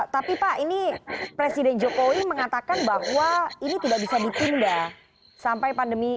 tapi pak ini presiden jokowi mengatakan bahwa ini tidak bisa ditunda sampai pandemi